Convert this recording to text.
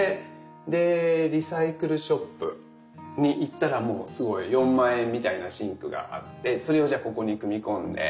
でリサイクルショップに行ったらもうすごい４万円みたいなシンクがあってそれをじゃあここに組み込んで。